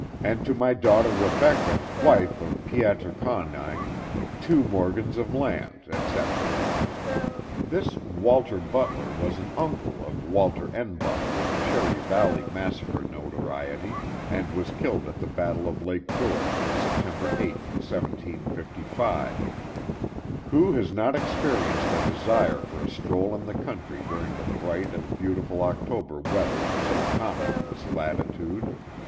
and to my daughter Rebecca, wife of Pietsr Conyn, two morgens of land, etc. This Walter Butler was an uncle of Walter N. Buller of Cherry Valley massacre notoriety, and was killed at the battle of Lake George, September 8, 1755. Who has not experienced a desire for a stroll in the country during the bright and beautiful October weather so common in this latitude